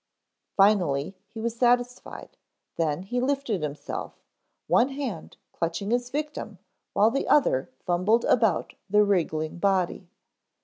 Finally he was satisfied, then he lifted himself, one hand clutching his victim while the other fumbled about the wriggling body.